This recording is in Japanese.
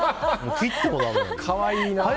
切ってもだめ。